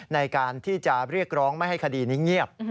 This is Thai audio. ในการที่จะเรียกร้องไม่ให้คดีนี้เงียบ